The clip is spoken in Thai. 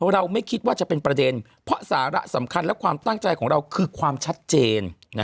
เราไม่คิดว่าจะเป็นประเด็นเพราะสาระสำคัญและความตั้งใจของเราคือความชัดเจน